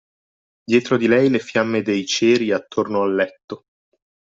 Dietro di lei le fiamme dei ceri attorno al letto.